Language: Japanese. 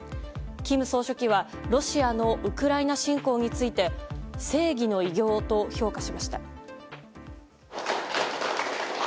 金総書記はロシアのウクライナ侵攻について正義の偉業と評価しました。